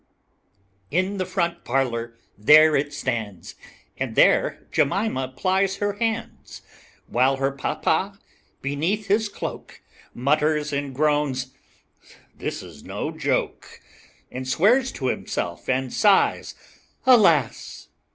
In the front parlor, there it stands, And there Jemima plies her hands, While her papa beneath his cloak, Mutters and groans: "This is no joke!" And swears to himself and sighs, alas!